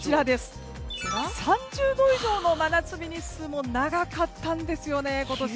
３０度以上の真夏日日数も長かったんですよね、今年。